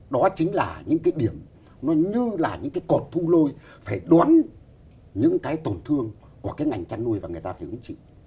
đó chính là những cái điểm nó như là những cái cột thu lôi phải đoán những cái tổn thương của cái ngành chăn nuôi và người ta phải hứng chịu